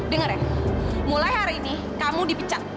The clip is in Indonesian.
dengar ya mulai hari ini kamu dipecat